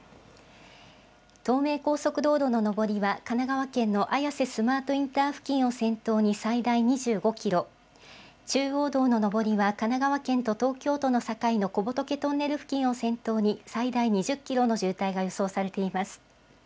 東名高速道路の上りは神奈川県の綾瀬スマートインター付近を先頭に最大２５キロ、中央道の上りは神奈川県と東京都の境の小仏トンネル付近を先頭に最大２０キロの渋滞が予想されています。